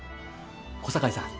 小堺さん